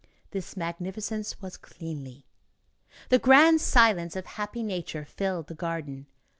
This magnificence was cleanly. The grand silence of happy nature filled the garden.